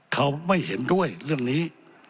เขาไม่เห็นด้วยเรื่องนี้